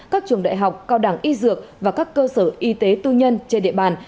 các trường đại học cao đẳng y dược và các cơ sở y tế tư nhân trên địa bàn